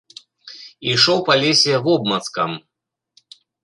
Ішоў па лесе вобмацкам.